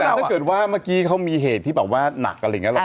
ถ้าเกิดว่าเมื่อกี้เขามีเหตุที่บอกว่านักอะไรยังแบบนี้